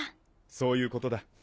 そういうことだ。